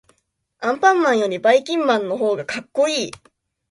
アンパンマンよりばいきんまんのほうがかっこいい。